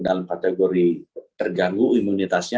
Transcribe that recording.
dalam kategori terganggu imunitasnya